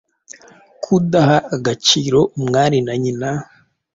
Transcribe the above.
Kudaha agaciro umwari na nyina,